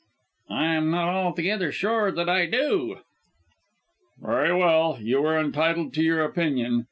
"I am not altogether sure that I do " "Very well; you are entitled to your opinion.